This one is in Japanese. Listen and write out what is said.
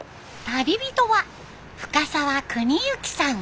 旅人は深沢邦之さん。